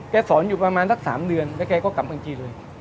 สอนอยู่ประมาณสัก๓เดือนแล้วแกก็กลับเมืองจีนเลย